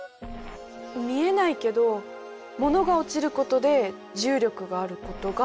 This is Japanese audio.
見えないけど物が落ちることで重力があることが分かる。